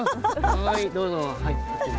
はいどうぞ。